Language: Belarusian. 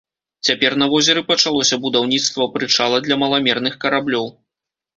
Цяпер на возеры пачалося будаўніцтва прычала для маламерных караблёў.